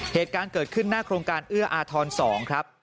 เหตุการณ์เกิดขึ้นหน้าโครงการเอื้ออาทร๒ครับ